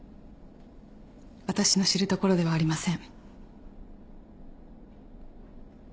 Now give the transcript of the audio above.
私の知るところではありません。